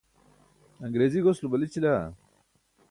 aṅriizi goslo balićila?